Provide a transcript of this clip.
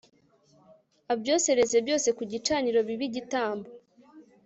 abyosereze byose ku gicaniro bibe igitambo